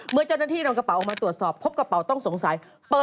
เมื่อเจ้าหน้าที่นำกระเป๋าออกมาตรวจสอบพบกระเป๋าต้องสงสัย